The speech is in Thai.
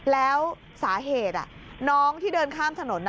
แล้วสาเหตุน้องที่เดินข้ามถนน